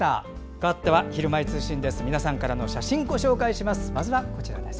かわっては「ひるまえ通信」です。